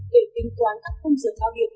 để tính toán các cung dược bao nhiệm